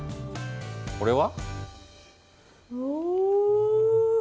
これは？